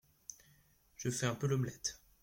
Je fais un peu l’omelette…